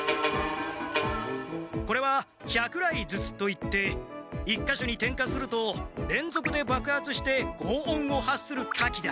これは百雷銃といって１か所に点火するとれんぞくでばくはつしてごう音を発する火器だ。